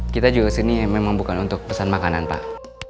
kita juga sini memang bukan untuk pesan makanan pak